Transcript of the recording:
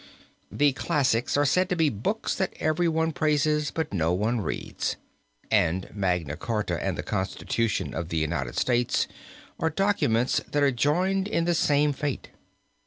The classics are said to be books that everyone praises but no one reads, and Magna Charta and the Constitution of the United States are documents that are joined in the same fate.